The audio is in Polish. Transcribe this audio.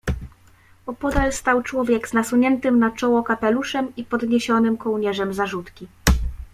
"Opodal stał człowiek z nasuniętym na czoło kapeluszem i podniesionym kołnierzem zarzutki."